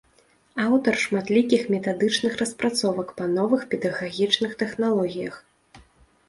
Аўтар шматлікіх метадычных распрацовак па новых педагагічных тэхналогіях.